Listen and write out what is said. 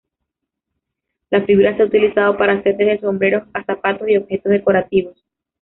La fibra se ha utilizado para hacer desde sombreros a zapatos y objetos decorativos.